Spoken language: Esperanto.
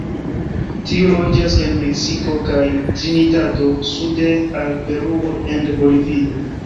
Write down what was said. Tiu loĝas el Meksiko kaj Trinidado sude al Peruo and Bolivio.